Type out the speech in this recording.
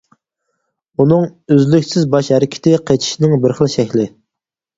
ئۇنىڭ ئۈزلۈكسىز باش ھەرىكىتى قېچىشىنىڭ بىر خىل شەكلى.